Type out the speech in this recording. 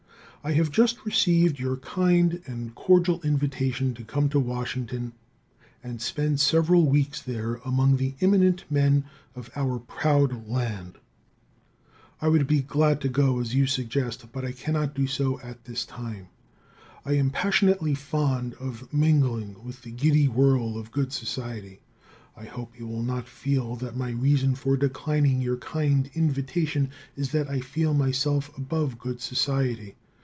I have just received your kind and cordial invitation to come to Washington and spend several weeks there among the eminent men of our proud land. I would be glad to go as you suggest, but I cannot do so at this time. I am passionately fond of mingling with the giddy whirl of good society. I hope you will not feel that my reason for declining your kind invitation is that I feel myself above good society.